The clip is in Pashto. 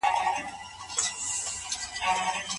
څوک د مسمومیت نښې نښانې په نښه کولی شي؟